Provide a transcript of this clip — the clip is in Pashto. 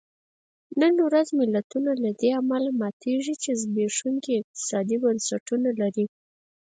نن ورځ ملتونه له دې امله ماتېږي چې زبېښونکي اقتصادي بنسټونه لري.